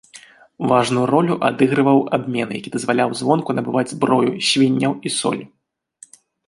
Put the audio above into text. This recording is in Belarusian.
Важную ролю адыгрываў абмен, які дазваляў звонку набываць зброю, свінняў і соль.